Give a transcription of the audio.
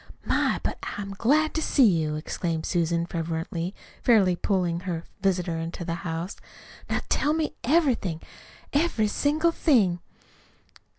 My, but I'm glad to see you!" exclaimed Susan fervently, fairly pulling her visitor into the house. "Now tell me everything every single thing."